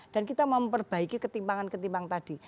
dan kita memperbaiki ketimbangan ketimbangan tadi